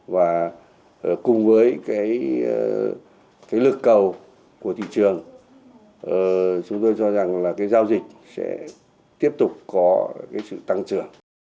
và cùng với lực cầu của thị trường chúng tôi cho rằng giao dịch sẽ tiếp tục có sự tăng trưởng